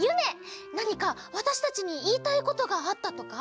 なにかわたしたちにいいたいことがあったとか？